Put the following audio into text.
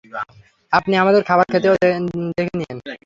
আপনি আমাদের খাবার খেতেও দেখে নিয়েন।